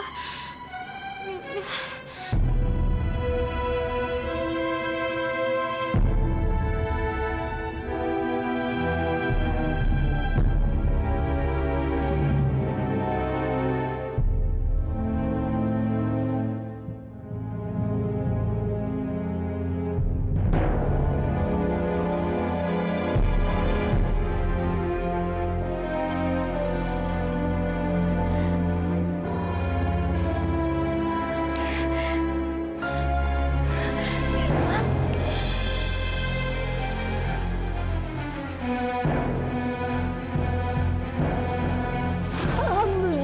tante kita harus berhenti